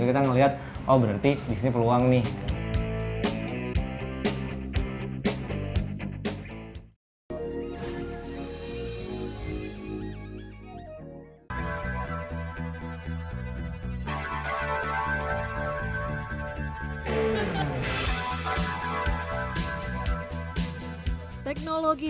jadi kita ngeliat oh berarti disini peluang nih